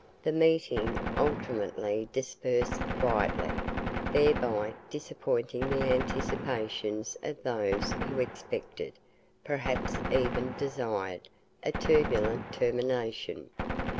The meeting ultimately dispersed quietly, thereby disappointing the anticipations of those who expected, perhaps even desired, a turbulent termination.